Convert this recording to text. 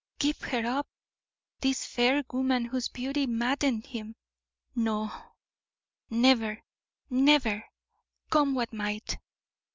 Give her up! this fair woman whose beauty maddened him! No! never, never come what might!